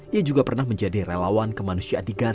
ia juga pernah menjadi relawan kemanusiaan di gaza